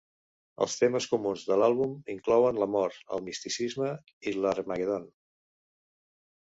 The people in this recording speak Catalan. Els temes comuns de l'àlbum inclouen la mort, el misticisme i l'Harmagedon.